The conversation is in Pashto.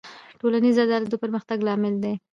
ټولنیز عدالت د پرمختګ لامل دی.